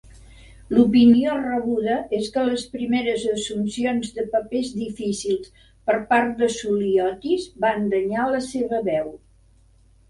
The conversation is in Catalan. L'opinió rebuda és que les primeres assumpcions de papers difícils per part de Souliotis van danyar la seva veu.